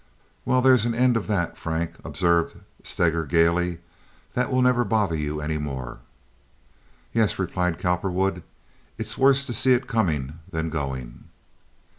"Well, there's an end of that, Frank," observed Steger, gayly; "that will never bother you any more." "Yes," replied Cowperwood. "It's worse to see it coming than going."